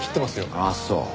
あっそう。